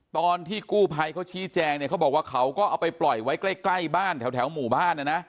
ตอนที่กู้ภัยเขาชี้แจงเนี่ยเขาบอกว่าเขาก็เอาไปปล่อยไว้ใกล้บ้านแถวหมู่บ้านนะนะ